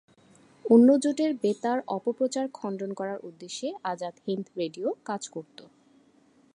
অন্য জোটের বেতার অপপ্রচার খণ্ডন করার উদ্দেশ্যে আজাদ হিন্দ রেডিও কাজ করত।